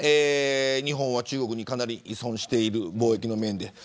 日本は中国にかなり依存している貿易の面で。